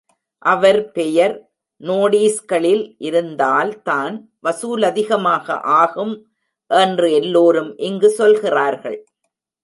அவர் பெயர் நோடீஸ்களில் இருந்தால் தான் வசூலதிகமாக ஆகும் என்று எல்லோரும் இங்கு சொல்கிறார்கள்.